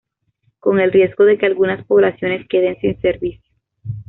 con el riesgo de que algunas poblaciones queden sin servicio